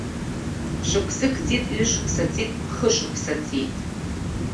Шықәсык ҵит, ҩышықәса ҵит, хышықәса ҵит.